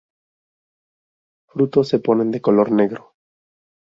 Frutos se ponen de color negro.